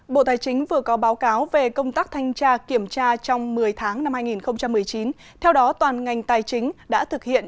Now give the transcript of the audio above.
bộ tài chính vừa có báo cáo về công tác thanh tra kiểm tra trong một mươi tháng năm hai nghìn một mươi chín theo đó toàn ngành tài chính đã thực hiện